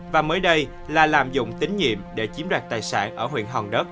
và mới đây là lạm dụng tín nhiệm để chiếm đoạt tài sản ở huyện hòn đất